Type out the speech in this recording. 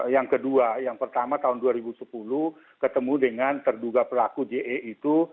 yang kedua yang pertama tahun dua ribu sepuluh ketemu dengan terduga pelaku je itu